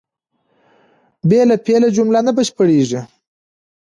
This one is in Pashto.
بې له فعله جمله نه بشپړېږي.